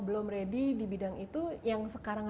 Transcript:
belum ready di bidang itu yang sekarang